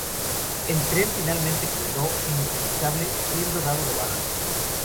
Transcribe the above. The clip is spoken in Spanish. El tren finalmente quedó inutilizable siendo dado de baja.